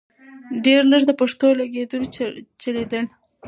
ډېر لږ د پښتو لیکدود چلیدل .